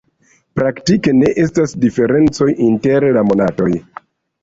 Praktike ne estas diferencoj inter la monatoj.